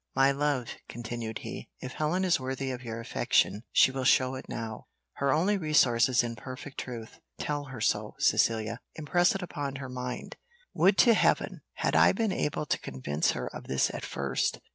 "My love," continued he, "if Helen is worthy of your affection, she will show it now. Her only resource is in perfect truth: tell her so, Cecilia impress it upon her mind. Would to Heaven I had been able to convince her of this at first!